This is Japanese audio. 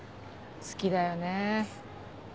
好きだよねぇ。